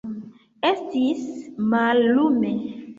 Estis mallume.